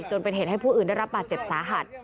จนเป็นเหตุให้ผู้อื่นได้รับบาดเจ็บสาหัส